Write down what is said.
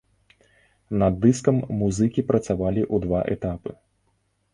Над дыскам музыкі працавалі ў два этапы.